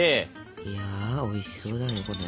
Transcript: いやおいしそうだねこれ。